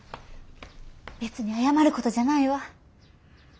別に謝ることじゃないわ。